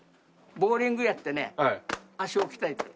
ボウリングやってね足を鍛えてる。